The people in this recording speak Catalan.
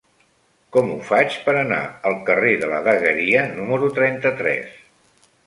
Com ho faig per anar al carrer de la Dagueria número trenta-tres?